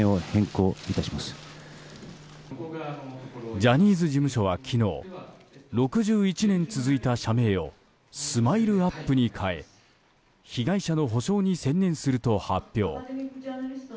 ジャニーズ事務所は昨日６１年続いた社名をＳＭＩＬＥ‐ＵＰ．に変え被害者の補償に専念すると発表。